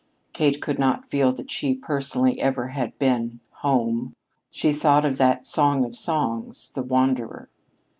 Kate could not feel that she, personally, ever had been "home." She thought of that song of songs, "The Wanderer."